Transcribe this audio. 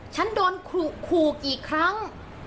ฉันโดนขู่กี่ครั้ง